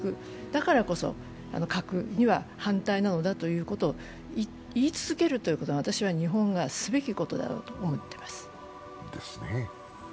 だからこそ核には反対なのだということを言い続けることは日本がすべきことだと思っています。